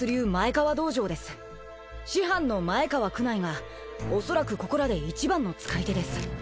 師範の前川宮内がおそらくここらで一番の使い手です。